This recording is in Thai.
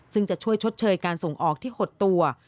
ซึ่งจะช่วยชดเชยการส่งออกที่หดตัว